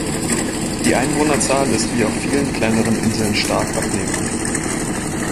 Die Einwohnerzahl ist wie auf vielen kleineren Inseln stark abnehmend.